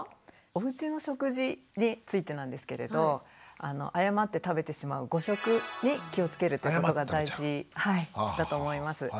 おうちの食事についてなんですけれど誤って食べてしまう誤食に気をつけるっていうことが大事だと思います。